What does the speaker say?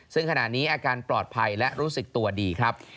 ซึ่งขณะนี้อาการปลอดภัยและรู้สึกตัวดีครับ